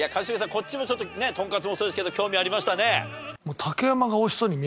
こっちもちょっとねトンカツもそうですけど興味ありましたね。